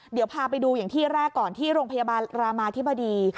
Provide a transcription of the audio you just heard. เดี๋ยวพาไปดูอย่างที่แรกก่อนที่โรงพยาบาลรามาธิบดี